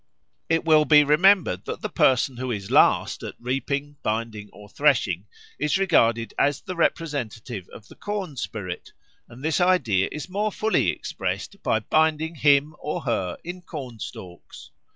It will be remembered that the person who is last at reaping, binding, or threshing, is regarded as the representative of the corn spirit, and this idea is more fully expressed by binding him or her in corn stalks.